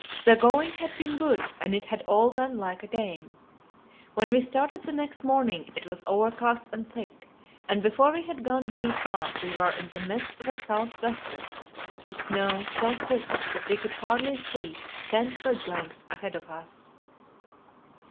The going had been good, and it had all gone like a game. When we started the next morning it was overcast and thick, and before we had gone very far we were in the midst of a south wester, with snow so thick that we could hardly see ten sledge lengths ahead of us.